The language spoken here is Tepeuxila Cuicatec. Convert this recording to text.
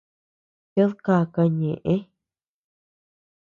Ted káka ñeʼë.